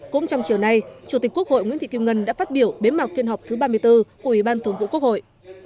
cũng trong chiều nay chủ tịch quốc hội nguyễn thị kim ngân đã phát biểu bế mạc phiên họp thứ ba mươi bốn của ủy ban thường vụ quốc hội